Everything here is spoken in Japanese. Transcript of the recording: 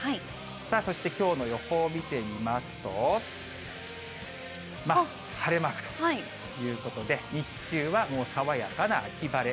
さあ、そしてきょうの予報を見てみますと、晴れマークということで、日中はもう爽やかな秋晴れ。